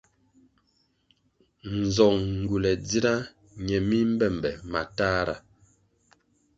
Nzong ngywule ndzina nye mi mbe mbe matahra.